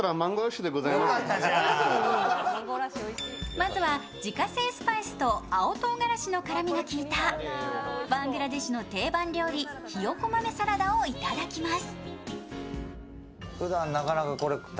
まずは自家製スパイスと青とうがらしの辛みが効いたバングラデシュの定番料理、ひよこ豆サラダをいただきます。